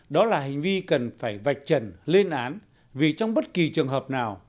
đó là hành vi cần phải vạch trần lên án vì trong bất kỳ trường hợp nào